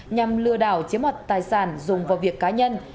nhằm lừa đảo chiếm mặt tài sản dùng vào việc cá nhân